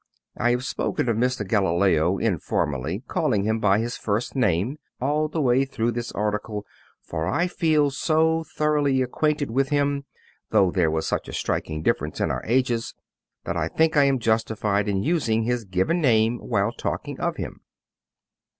I have spoken of Mr. Galileo, informally calling him by his first name, all the way through this article, for I feel so thoroughly acquainted with him, though there was such a striking difference in our ages, that I think I am justified in using his given name while talking of him.